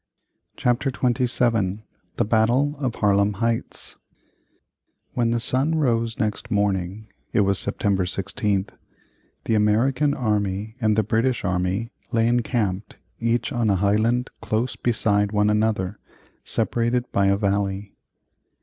CHAPTER XXVII THE BATTLE of HARLEM HEIGHTS When the sun rose next morning (it was September 16th), the American army and the British army lay encamped each on a highland close beside one another separated by a valley.